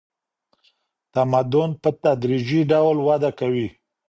تمدن په تدریجي ډول وده کوي.